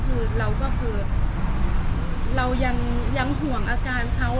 คือเราก็คือเรายังห่วงอาการเขา